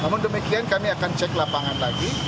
namun demikian kami akan cek lapangan lagi